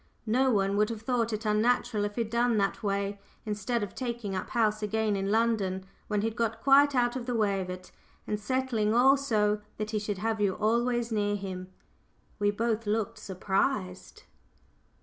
No one would have thought it unnatural if he'd done that way, instead of taking up house again in London, when he'd got quite out of the way of it, and settling all so that he should have you always near him." We both looked surprised.